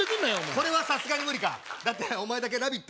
これはさすがに無理かだってお前だけ「ラヴィット！」